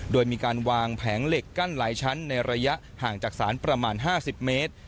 โดยมีการวางแผงเหล็กกั้นหลายชั้นในระยะห่างจากศาลประมาณ๕๐เมตร